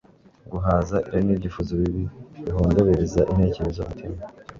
Guhaza irari nibyifuzo bibi bihondobereza intekerezo umutima